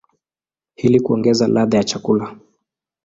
ili kuongeza ladha ya chakula.